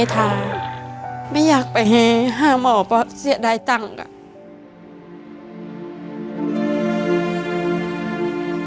ค่ะไม่อยากไปห้ามหมอเพราะเสียดายตังค์